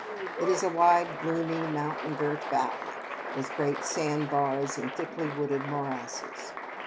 It is a wide, gloomy, mountain girt valley, with great sand bars and thickly wooded morasses.